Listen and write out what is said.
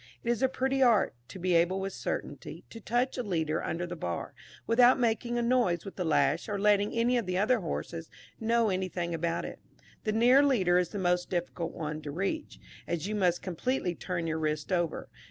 It is a pretty art, to be able with certainty, to touch a leader under the bar, without making a noise with the lash or letting any of the other horses know anything about it. The near leader is the most difficult one to reach, as you must completely turn your wrist over.